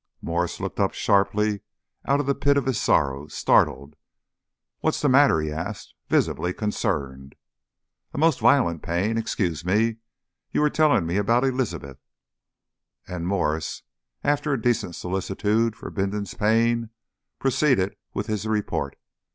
Mwres looked up sharply out of the pit of his sorrows, startled. "What's the matter?" he asked, visibly concerned. "A most violent pain. Excuse me! You were telling me about Elizabeth." And Mwres, after a decent solicitude for Bindon's pain, proceeded with his report.